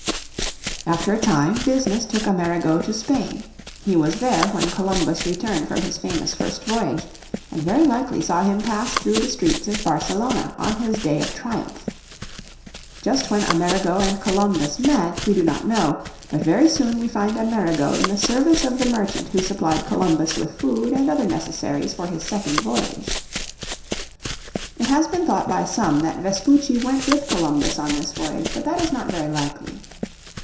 After a time business took Amerigo to Spain. He was there when Columbus returned from his famous first voyage, and very likely saw him pass through the streets of Barcelona on his day of triumph. Just when Amerigo and Columbus met we do not know. But very soon we find Amerigo in the service of the merchant who supplied Columbus with food and other necessaries for his second voyage. It has been thought by some that Vespucci went with Columbus on this voyage, but that is not very likely.